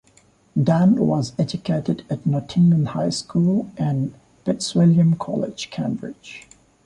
Dann was educated at Nottingham High School and Fitzwilliam College, Cambridge.